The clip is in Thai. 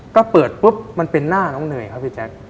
ก็เปิดปุ๊บมันเป็นหน้าน้องเนยครับพี่แจ๊ค